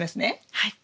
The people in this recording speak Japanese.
はい。